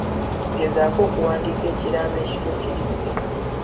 Gezaako okuwandiika ekiraamo ekituukiridde.